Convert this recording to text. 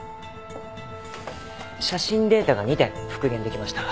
写真データが２点復元できました。